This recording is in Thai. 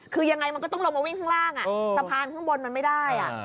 คือยังไงมันก็ต้องลงมาวิ่งข้างล่างสะพานข้างบนมันไม่ได้